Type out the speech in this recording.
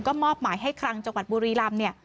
ก็มอบหมายให้ครังจังหวัดบุรีรัมณ์